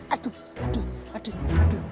aduh aduh aduh